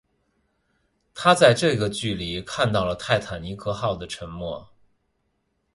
他在这个距离看到了泰坦尼克号的沉没。